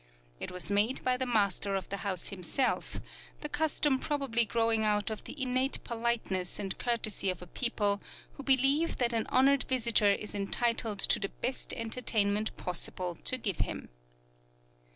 It was made by the master of the house himself; the custom probably growing out of the innate politeness and courtesy of a people who believe that an honored visitor is entitled to the best entertainment possible to give him.